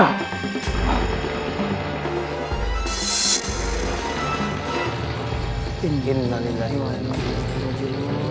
tinggi menangis harimau itu